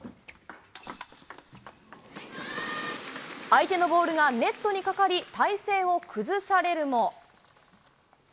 相手のボールがネットにかかり、体勢を崩されるも。